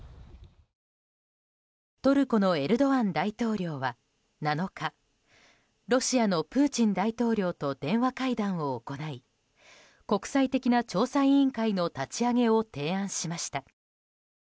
トルコのエルドアン大統領は７日ロシアのプーチン大統領と電話会談を行い国際的な調査委員会の立ち上げを提案しました。